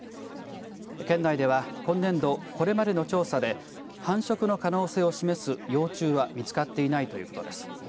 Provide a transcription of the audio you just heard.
県内では今年度これまでの調査で繁殖の可能性を示す幼虫は見つかっていないということです。